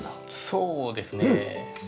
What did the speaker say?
そうですね。